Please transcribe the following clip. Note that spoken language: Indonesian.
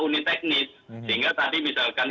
unit teknis sehingga tadi misalkan